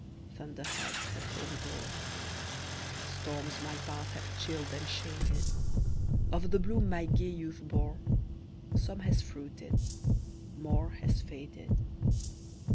Thunder heads have hovered o'er Storms my path have chilled and shaded; Of the bloom my gay youth bore, Some has fruited more has faded."